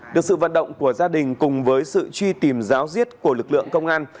được sự vận động của gia đình cùng với sự truy tìm ráo riết của lực lượng công an